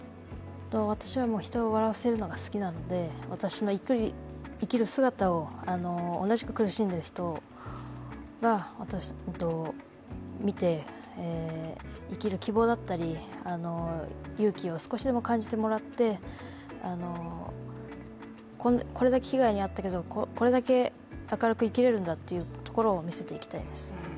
私は人を笑わせるのが好きなので私が生きる姿を同じく苦しんでいる人が見て、生きる希望だったり、勇気を少しでも感じてもらって、これだけ被害に遭ったけど、これだけ明るく生きれるんだっていうことを見せていきたいです。